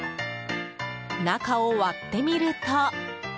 中を割ってみると。